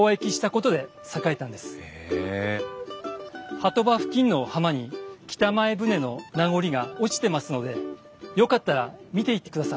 波止場付近の浜に北前船の名残が落ちてますのでよかったら見ていってください。